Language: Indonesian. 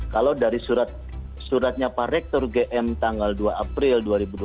kalau dari suratnya pak rektor gm tanggal dua april dua ribu dua puluh